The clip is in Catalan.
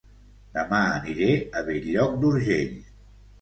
Dema aniré a Bell-lloc d'Urgell